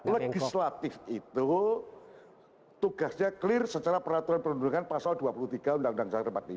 legislatif itu tugasnya clear secara peraturan pendudukan pasal dua puluh tiga undang undang seribu sembilan ratus empat puluh lima